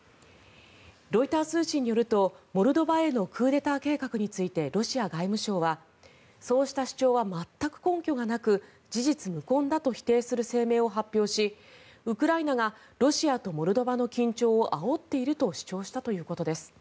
ロイター通信によるとモルドバへのクーデター計画についてロシア外務省はそうした主張は全く根拠がなく事実無根だと否定する声明を発表しウクライナがロシアとモルドバの緊張をあおっていると主張したということです。